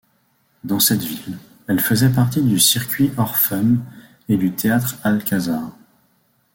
Dans cette ville, elle faisait partie du Circuit Orpheum et du Théâtre Alcazar.